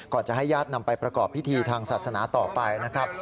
จะให้ญาตินำไปประกอบพิธีทางศาสนาต่อไปนะครับ